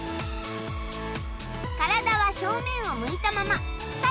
体は正面を向いたまま。